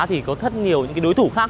thì có rất nhiều những cái đối thủ khác